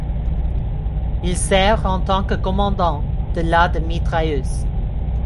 Il sert en tant que commandant de la de mitrailleuses.